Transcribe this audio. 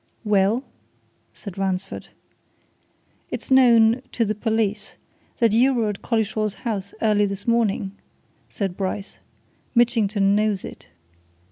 "Well?" said Ransford. "It's known to the police that you were at Collishaw's house early this morning," said Bryce. "Mitchington knows it."